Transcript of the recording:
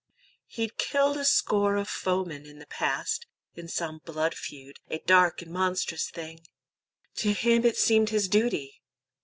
He'd killed a score of foemen in the past, In some blood feud, a dark and monstrous thing; To him it seemed his duty.